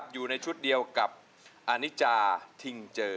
อยู่ในชุดเดียวกับอานิจาทิงเจอ